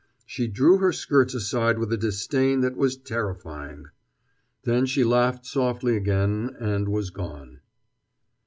She drew her skirts aside with a disdain that was terrifying. Then she laughed softly again; and was gone.